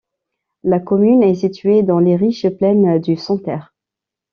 La commune est située dans les riches plaines du Santerre.